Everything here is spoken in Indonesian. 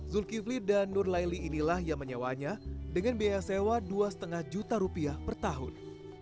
zulkifli dan nur laili inilah yang menyewanya dengan biaya sewa dua lima juta rupiah per tahun